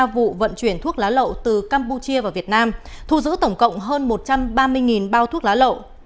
ba vụ vận chuyển thuốc lá lậu từ campuchia vào việt nam thu giữ tổng cộng hơn một trăm ba mươi bao thuốc lá lậu